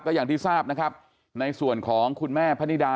อย่างที่ทราบนะครับในส่วนของคุณแม่พนิดา